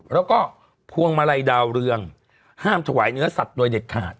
แล้วก็พวงมาลัยดาวเรืองห้ามถวายเนื้อสัตว์โดยเด็ดขาด